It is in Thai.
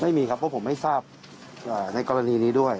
ไม่มีครับเพราะผมไม่ทราบในกรณีนี้ด้วย